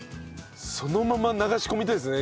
そのまま流し込みたいですね